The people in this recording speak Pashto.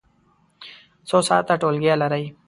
څو ساعته ټولګی لرئ؟